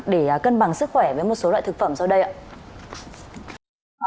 để cân bằng sức khỏe với một số loại thực phẩm sau đây ạ